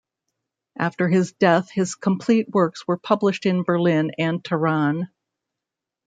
After his death his complete works were published in Berlin and Tehran.